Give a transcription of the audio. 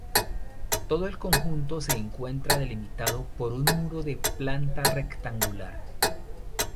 Todo el conjunto se encuentra delimitado por un muro de planta rectangular.